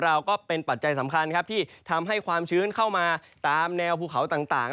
เราก็เป็นปัจจัยสำคัญครับที่ทำให้ความชื้นเข้ามาตามแนวภูเขาต่าง